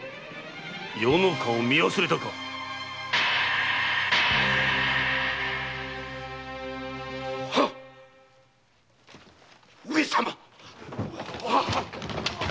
余の顔を見忘れたか⁉上様！